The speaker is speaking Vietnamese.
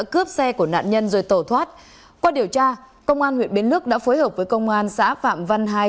công an huyện biến lức đã phối hợp với công an xã phạm văn hai